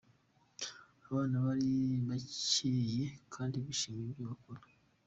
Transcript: Abana bari bakeye kdi bishimiye ibyo bakora.